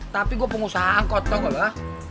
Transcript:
tapi gue pengusaha angkot tau gak lo